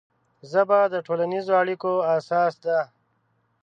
ژبه د ټولنیزو اړیکو اساس ده